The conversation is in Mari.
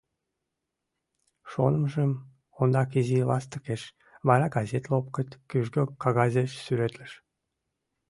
Шонымыжым ондак изи ластыкеш, вара газет лопкыт кӱжгӧ кагазеш сӱретлыш.